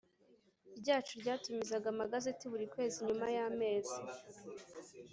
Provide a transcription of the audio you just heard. ryacu ryatumizaga amagazeti buri kwezi Nyuma y amezi